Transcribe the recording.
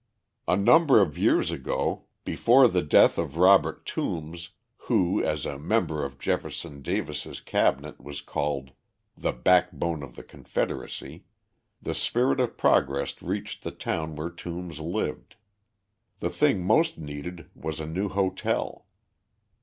A number of years ago, before the death of Robert Toombs, who, as a member of Jefferson Davis's cabinet was called the "backbone of the confederacy," the spirit of progress reached the town where Toombs lived. The thing most needed was a new hotel.